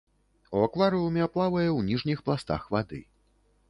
У акварыуме плавае ў ніжніх пластах вады.